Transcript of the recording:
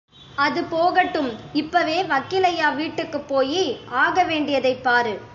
அது போகட்டும், இப்பவே வக்கீலையா வீட்டுக்குப் போயி ஆகவேண்டி யதைப் பாரு.